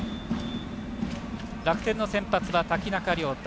楽天の先発は瀧中瞭太。